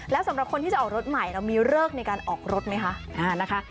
แล้วสำหรับคนที่จะออกรถใหม่เรามีเลิกในการออกรถไหมคะนะคะ